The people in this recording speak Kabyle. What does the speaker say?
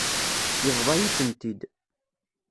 Yebḍa-yi-tent-id.